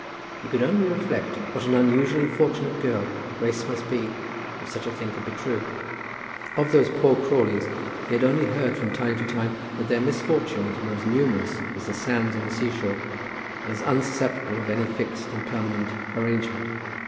He could only reflect what an unusually fortunate girl Grace must be if such a thing could be true. Of those poor Crawleys he had only heard from time to time that their misfortunes were as numerous as the sands on the sea shore, and as unsusceptible of any fixed and permanent arrangement.